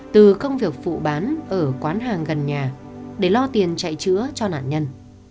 từ công việc phụ bán ở quán hàng gần nhà để lo tiền chạy chữa cho nạn nhân